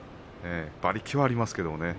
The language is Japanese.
馬力はありますけどね。